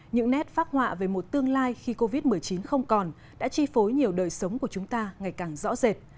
những nét phác họa về một tương lai khi covid một mươi chín không còn đã chi phối nhiều đời sống của chúng ta ngày càng rõ rệt